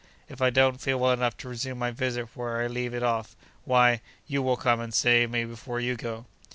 If I don't feel well enough to resume my visit where I leave it off, why you will come and see me before you go.